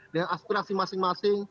dengan aspirasi masing masing